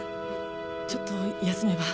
ちょっと休めば。